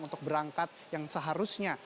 untuk berangkat yang seharusnya